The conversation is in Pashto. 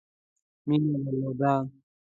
مینه درلوده.